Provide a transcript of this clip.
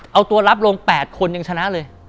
เอาตัวรับลง๘คนยังชนะเลย